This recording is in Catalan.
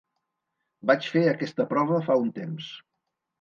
Vaig fer aquesta prova fa un temps.